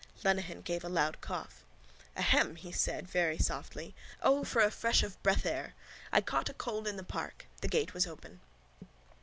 Lenehan gave a loud cough. —Ahem! he said very softly. O, for a fresh of breath air! I caught a cold in the park. The gate was open.